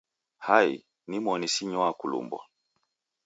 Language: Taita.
Hai, nimoni sinywaa kilumbwa!